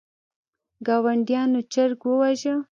ګاونډیانو چرګ وواژه.